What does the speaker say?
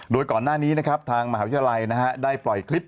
โดยก่อนหน้านี้นะครับทางมหาวิทยาลัยได้ปล่อยคลิป